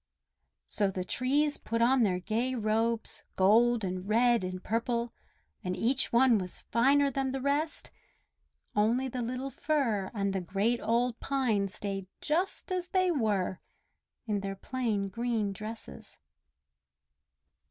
So the trees put on their gay robes, gold and red and purple, and each one was finer than the rest; only the little Fir and the great old Pine stayed just as they were, in their plain green dresses.